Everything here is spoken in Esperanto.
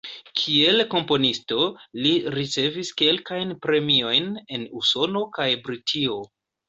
Kiel komponisto, li ricevis kelkajn premiojn en Usono kaj Britio.